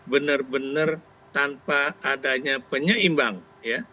benar benar tanpa adanya penyeimbang ya